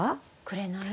「くれない」？